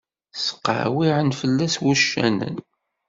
Sqawwɛen fell-as wuccanen.